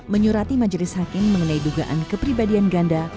menyurati majelis hakim mengenai dugaan kepribadian ganda